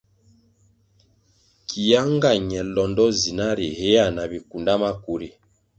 Kia nga ñe londo zina ri hea na bikunda maku ri.